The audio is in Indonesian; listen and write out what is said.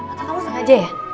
atau kamu sengaja ya